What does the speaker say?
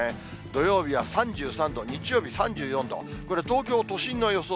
土曜日は３３度、日曜日３４度、これ、東京都心の予想